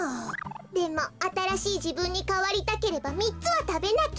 でもあたらしいじぶんにかわりたければみっつはたべなきゃ。